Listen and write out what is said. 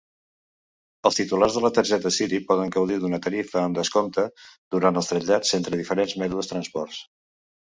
Els titulars de la targeta City poden gaudir d'una tarifa amb descompte durant els trasllats entre diferents mètodes transports.